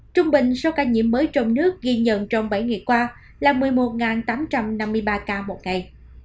trung bình số ca nhiễm mới trong nước ghi nhận trong bảy ngày qua là một mươi một tám trăm năm mươi ba ca một ngày